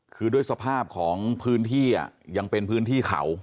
คือด้วยสภาพของพื้นที่ยังเป็นพื้นที่เขา